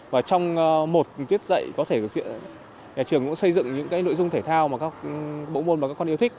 và trong một tiết dạy có thể nhà trường cũng xây dựng những nội dung thể thao mà các bộ môn mà các con yêu thích